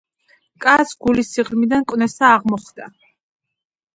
კაცს გულის სიღრმიდან კვნესა აღმოხდა